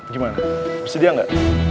gimana bersedia ngga